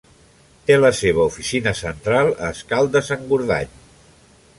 Té la seva oficina central a Escaldes-Engordany.